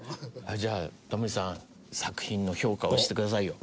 じゃあタモリさん作品の評価をしてくださいよ。